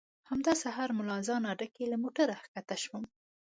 همدا سهار ملا اذان اډه کې له موټره ښکته شوم.